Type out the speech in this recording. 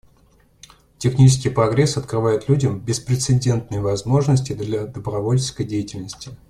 Технический прогресс открывает людям беспрецедентные возможности для добровольческой деятельности.